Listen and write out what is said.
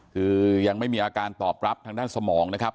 คือยังไม่มีอาการตอบรับทางด้านสมองนะครับ